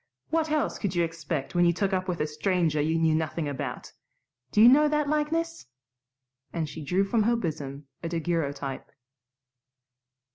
What else could you expect when you took up with a stranger you knew nothing about? Do you know that likeness?" and she drew from her bosom a daguerreotype.